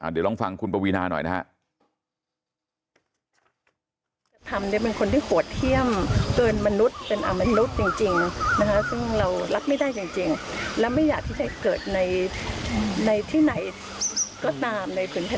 เดี๋ยวลองฟังคุณปวีนาหน่อยนะฮะ